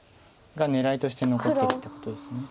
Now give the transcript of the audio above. が狙いとして残ってるってことです。